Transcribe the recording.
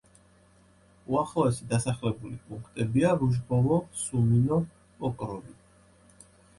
უახლოესი დასახლებული პუნქტებია: რუჟბოვო, სუმინო, პოკროვი.